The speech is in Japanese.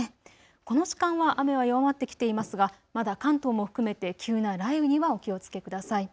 この時間は雨は弱まってきていますがまだ関東も含めて急な雷雨にはお気をつけください。